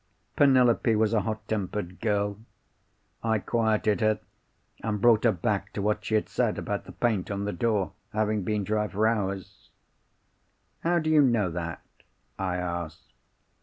"Penelope was a hot tempered girl. I quieted her, and brought her back to what she had said about the paint on the door having been dry for hours. "'How do you know that?' I asked.